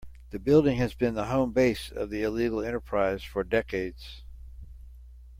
The building has been the home base of the illegal enterprise for decades.